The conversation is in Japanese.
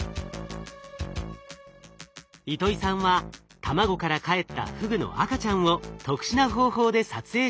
糸井さんは卵からかえったフグの赤ちゃんを特殊な方法で撮影しました。